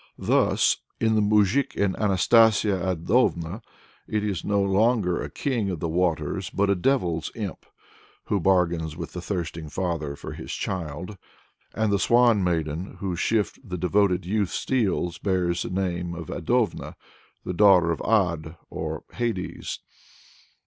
Thus in the "Moujik and Anastasia Adovna," it is no longer a king of the waters, but a devil's imp, who bargains with the thirsting father for his child, and the swan maiden whose shift the devoted youth steals bears the name of Adovna, the daughter of Ad or Hades.